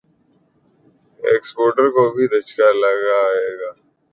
exporter ز کو بھی دھچکا لگا ہے